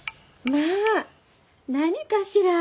まあ何かしら。